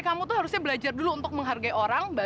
yaudah gak usah nolong saya lagi